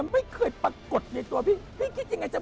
พิชาพิชา